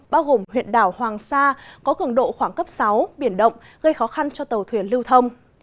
bao gồm huyện đảo hoàng sa có cường độ khoảng cấp sáu biển động gây khó khăn cho tàu thuyền lưu thông